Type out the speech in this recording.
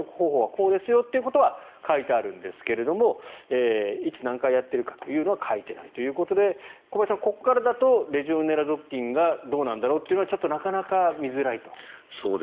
こうですよというのは書いてあるんですがいつ、何回やってるかは書いてないということで小林さん、ここからだとレジオネラ属菌がどうなんだろうというのはなかなか見えづらいと。